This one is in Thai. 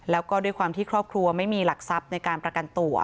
แล้วก็ด้วยความที่ครอบครัวไม่มีหลักทรัพย์ในการประกันตัว